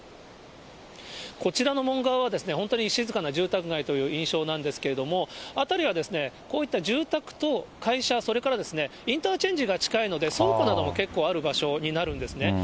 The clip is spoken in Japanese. こちらの門側は、本当に静かな住宅街という印象なんですけれども、辺りはこういった住宅と会社、それからですね、インターチェンジが近いので、倉庫なども結構ある場所になるんですね。